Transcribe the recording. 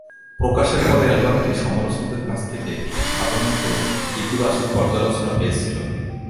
প্রকাশের পরে, অ্যালবামটি সমালোচকদের কাছ থেকে সাধারণত ইতিবাচক পর্যালোচনা পেয়েছিল।